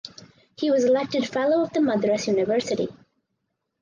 He was elected Fellow of the Madras University.